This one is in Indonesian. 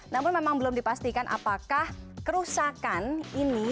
namun memang belum dipastikan apakah kerusakan ini